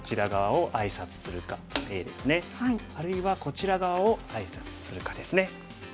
あるいはこちら側をあいさつするかですね。